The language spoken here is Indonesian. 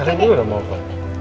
karena ini udah mau apa